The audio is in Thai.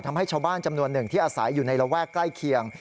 ทำให้ชาวบ้านจำนวนหนึ่งที่อาศัยอยู่ในระแวกใกล้เคียง